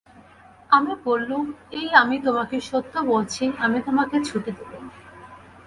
আমি বললুম, এই আমি তোমাকে সত্য বলছি, আমি তোমাকে ছুটি দিলুম।